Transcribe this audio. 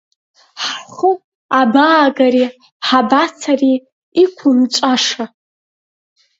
Ҳхы абаагари, ҳабацари иқәынҵәаша!